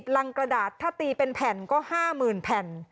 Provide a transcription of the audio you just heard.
รังกระดาษถ้าตีเป็นแผ่นก็๕๐๐๐แผ่น